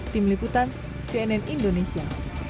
tim liputan cnn indonesia